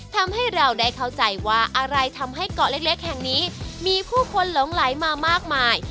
ทำให้เราได้เข้าใจว่าอะไรทำให้เกาะเล็กแห่งนี้มีผู้คนหลงไหลมามากมาย